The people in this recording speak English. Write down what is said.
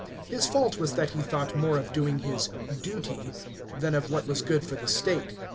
His fault was that he thought more ol doing his " duty," than of what was good for the state.